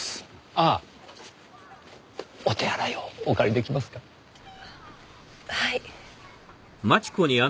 ああお手洗いをお借り出来ますか？はい。